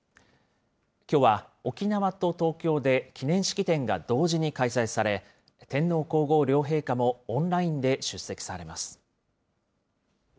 きょうは沖縄と東京で記念式典が同時に開催され、天皇皇后両陛下もオンラインで出席されます。